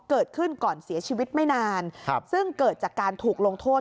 เกิดขึ้นก่อนเสียชีวิตไม่นานซึ่งเกิดจากการถูกลงโทษ